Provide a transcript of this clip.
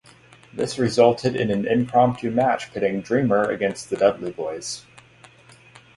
This resulted in an impromptu match pitting Dreamer against the Dudley Boyz.